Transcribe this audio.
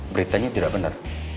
beritanya tidak benar